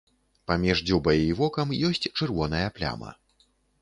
Паміж дзюбай і вокам ёсць чырвоная пляма.